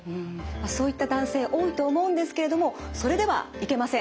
そういった男性多いと思うんですけれどもそれではいけません。ですよね。